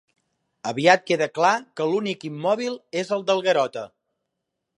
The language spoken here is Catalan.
Aviat queda clar que l'únic immòbil és el del Garota.